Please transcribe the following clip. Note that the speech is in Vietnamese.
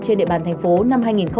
trên địa bàn tp năm hai nghìn hai mươi hai